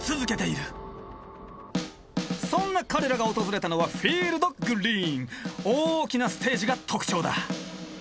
そんな彼らが訪れたのは大きなステージが特徴だ。